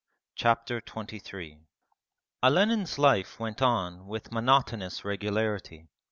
Chapter XXIII Olenin's life went on with monotonous regularity.